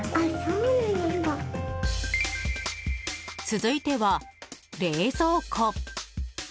続いては冷蔵庫。